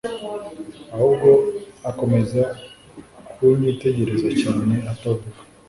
ahubwo akomeza kunyitegereza cyane atavuga